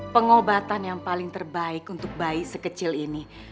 pengobatan yang paling terbaik untuk bayi sekecil ini